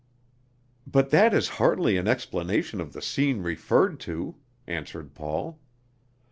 "But that is hardly an explanation of the scene referred to," answered Paul.